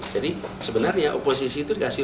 sebenarnya oposisi itu dikasih